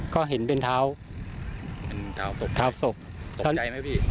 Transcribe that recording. ก็เห็นเป็นเท้าเท้าศพตกใจไหมพี่